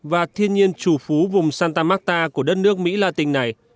và thiên nhiên chủ phú vùng santa marta của đất nước mỹ latin này